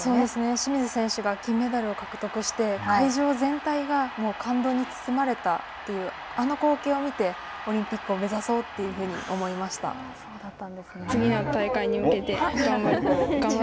清水選手が銀メダルを獲得して会場全体が感動に包まれたという、あの光景を見てオリンピックを目指そうというふうに思いました。